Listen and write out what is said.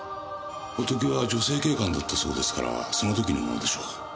ホトケは女性警官だったそうですからその時のものでしょう。